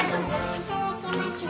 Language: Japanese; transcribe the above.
いただきます。